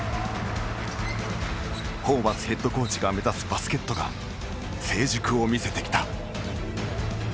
ホーバスヘッドコーチが目指すバスケットが成熟を見せてきた。